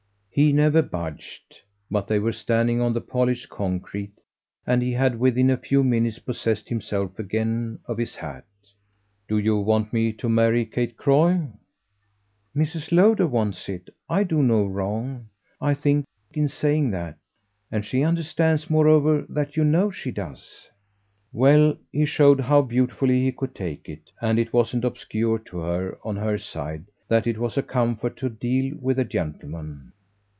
He never budged, but they were standing on the polished concrete and he had within a few minutes possessed himself again of his hat. "Do you want me to marry Kate Croy?" "Mrs. Lowder wants it I do no wrong, I think, in saying that; and she understands moreover that you know she does." Well, he showed how beautifully he could take it; and it wasn't obscure to her, on her side, that it was a comfort to deal with a gentleman.